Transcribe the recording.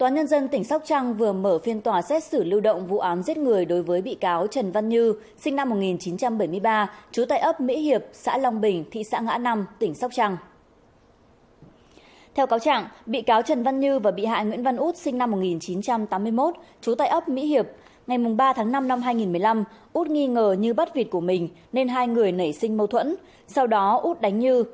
các bạn hãy đăng kí cho kênh lalaschool để không bỏ lỡ những video hấp dẫn